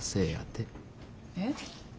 えっ？